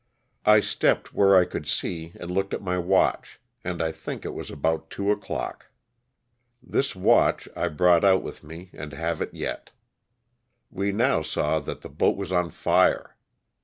I stepped where I could see and looked at my watch, and I think it was about two o'clock. This watch I brought out with me and have it yet. We now saw that the boat was on fire.